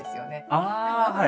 ああはい。